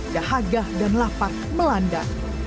dahagah dan lapar melanda